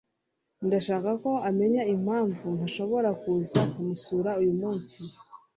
Ndashaka ko amenya impamvu ntashobora kuza kumusura uyu munsi.